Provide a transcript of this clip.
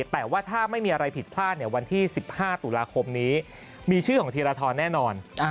แต่ว่าถ้าไม่มีอะไรผิดพลาดวันที่๑๕ตุลาคมนี้มีชื่อของธีรทรแน่นอน